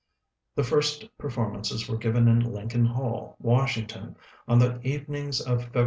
The first performances were given in Lincoln Hall, Washington, on the evenings of Feb.